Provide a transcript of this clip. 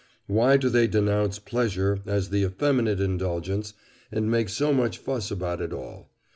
Why do they denounce pleasure as effeminate indulgence, and make so much fuss about it all?